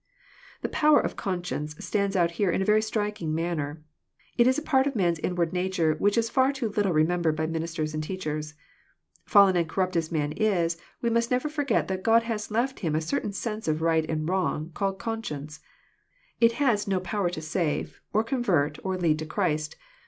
The power of conscience stands out here in a very striking manner. It is a part of man's inward nature which is far too little remembered by ministers and teachers. Fallen and cor rupt as man is, we must never forget that God has left him a certain sense of right and wrong, called conscience. It has no power to save, or convert, or lead to Christ.